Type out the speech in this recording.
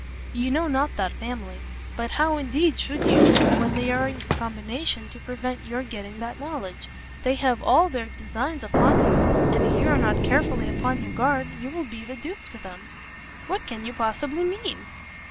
"You know not that family. But how, indeed, should you, when they are in a combination to prevent your getting that knowledge? They have all their designs upon you, and if you are not carefully upon your guard, you will be the dupe to them." "What can you possibly mean?"